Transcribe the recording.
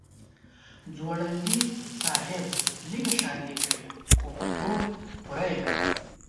ځونډي صاحب لیږه شاعري کړې خو په تول پوره یې کړې.